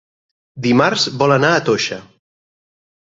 Dimarts vol anar a Toixa.